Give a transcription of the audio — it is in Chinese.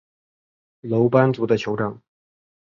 楼班族的酋长。